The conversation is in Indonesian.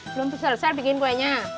belum selesai bikin kuenya